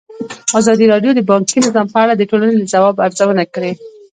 ازادي راډیو د بانکي نظام په اړه د ټولنې د ځواب ارزونه کړې.